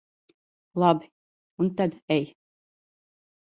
Labi, un tad ej.